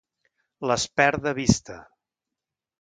Les perd de vista.